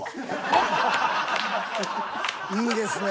いいですね。